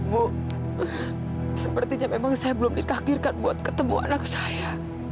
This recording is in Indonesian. bu sepertinya memang saya belum ditakdirkan buat ketemu anak saya